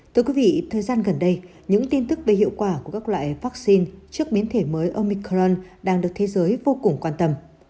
thưa quý vị thời gian gần đây những tin tức về hiệu quả của các loại vaccine trước biến thể mới omicron đang được thế giới vô cùng quan tâm